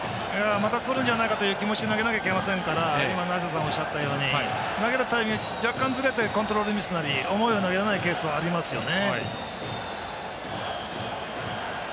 また来るんじゃないかという気持ちで投げなきゃいけませんから今、梨田さんおっしゃったように投げるタイミング若干、ずれてコントロールミスなり起こる可能性はありますね。